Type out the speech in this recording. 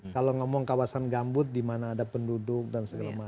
kalau ngomong kawasan gambut di mana ada penduduk dan segala macam